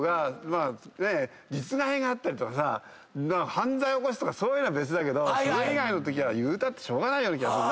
実害があったり犯罪起こすとかそういうのは別だけどそれ以外のときは言うたってしょうがないような気がするな。